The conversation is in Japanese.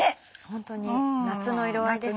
ホントに夏の色合いですね。